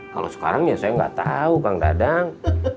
kalau sekarang ya saya gak tau kang dadang